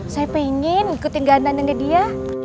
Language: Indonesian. saya pengen ikutin ganda dengan dia